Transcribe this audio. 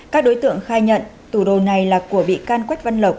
các đối tượng khai nhận tủ đồ này là của bị can quách văn lộc